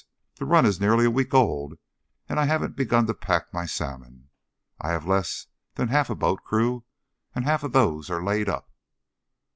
The run is nearly a week old, and I haven't begun to pack my salmon. I have less than half a boat crew, and of those half are laid up."